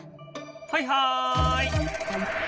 はいはい！